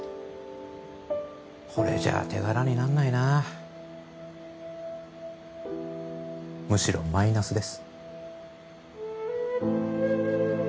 これじゃ手柄になんないなむしろマイナスです